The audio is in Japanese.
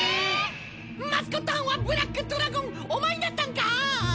マスコットはんはブラックトラゴンお前ニャったんか！